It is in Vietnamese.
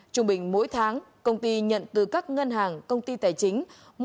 trung bình mỗi tháng công ty nhận từ các ngân hàng công ty tài chính